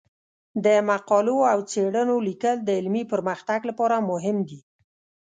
د مقالو او څیړنو لیکل د علمي پرمختګ لپاره مهم دي.